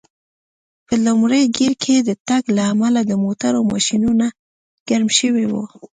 په لومړي ګېر کې د تګ له امله د موټرو ماشینونه ګرم شوي و.